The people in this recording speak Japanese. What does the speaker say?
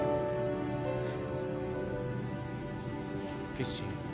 決心。